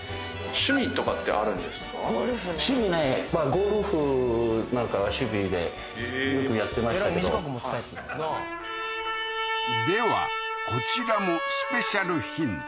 趣味ねまあゴルフなんかは趣味でよくやってましたけどではこちらもスペシャルヒント